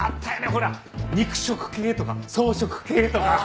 ほら肉食系とか草食系とか。